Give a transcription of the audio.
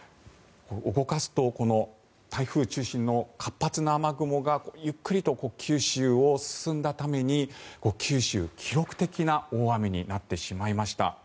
動かすと台風中心の活発な雨雲がゆっくりと九州を進んだために九州、記録的な大雨になってしまいました。